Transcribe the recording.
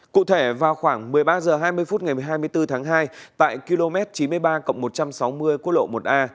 cụ thể vào khoảng một mươi ba h hai mươi phút ngày hai mươi bốn tháng hai tại km chín mươi ba một trăm sáu mươi quốc lộ một a